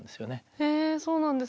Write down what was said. へぇそうなんですね。